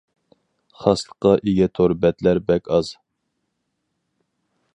خاسلىققا ئىگە تور بەتلەر بەك ئاز.